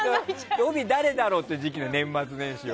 帯、誰だろうって時期だから年末年始は。